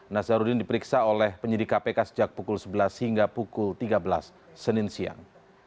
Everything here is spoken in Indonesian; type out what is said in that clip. nazarudin diperiksa oleh penyidik kpk sejak pukul sebelas hingga pukul tiga belas senin siang